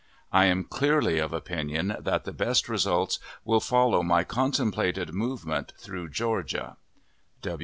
I am clearly of opinion that the best results will follow my contemplated movement through Georgia.